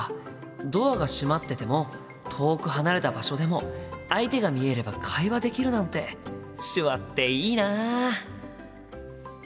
ドアが閉まってても遠く離れた場所でも相手が見えれば会話できるなんて手話っていいな。